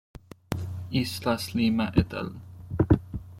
Islas-Lima et al.